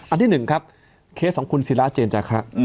อันที่หนึ่งครับเคสของคุณศิราเจรจักร